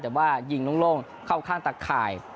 แต่ว่ายิงโล่งเข้าข้างตะข่าย